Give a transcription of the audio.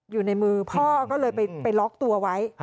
อยู่ในมือพ่อก็เลยไปล็อกตัวไว้